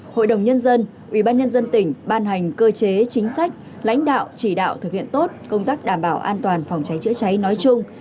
hội đồng nhân dân ủy ban nhân dân tỉnh ban hành cơ chế chính sách lãnh đạo chỉ đạo thực hiện tốt công tác đảm bảo an toàn phòng cháy chữa cháy nói chung